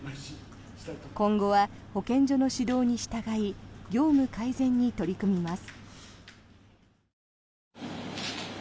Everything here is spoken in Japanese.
今後は保健所の指導に従い業務改善に取り組みます。